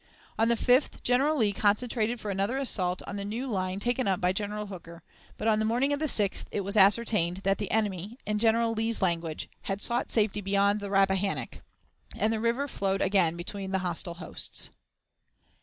"On the 5th General Lee concentrated for another assault on the new line taken up by General Hooker; but on the morning of the 6th it was ascertained that the enemy, in General Lee's language, 'had sought safety beyond the Rappahannock,' and the river flowed again between the hostile hosts."